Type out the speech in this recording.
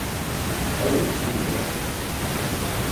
Hayır, dur biraz.